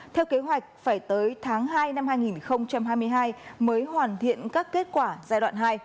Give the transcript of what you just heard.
theo kế hoạch phải tới tháng hai năm hai nghìn hai mươi hai mới hoàn thiện các kết quả giai đoạn hai